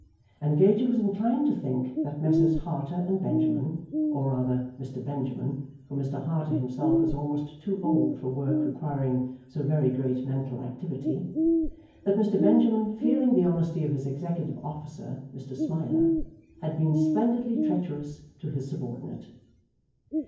And Gager was inclined to think that Messrs. Harter and Benjamin, or rather Mr. Benjamin, for Mr. Harter himself was almost too old for work requiring so very great mental activity, that Mr. Benjamin, fearing the honesty of his executive officer Mr. Smiler, had been splendidly treacherous to his subordinate.